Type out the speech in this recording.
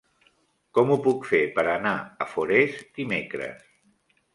Com ho puc fer per anar a Forès dimecres?